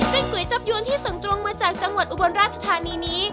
ซึ่งก๋วยจับยวนที่ส่งตรงมาจากจังหวัดอุบลราชธานีนี้